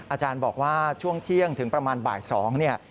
อาจารย์บอกว่าช่วงเที่ยงถึงประมาณบ่าย๒เนี่ย